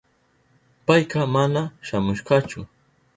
Payka mana shamushkachu.